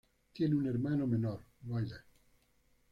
Tiene un hermano menor, Ryder.